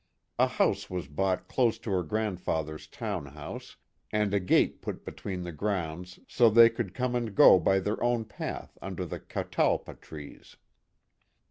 A house was bought close to her grandfather's town house and a gate put between the grounds so they could come and go by their own path under the catalpa trees.